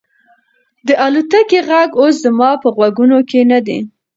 د الوتکې غږ اوس زما په غوږونو کې نه دی.